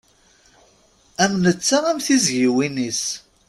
Am netta am tiziyin-is.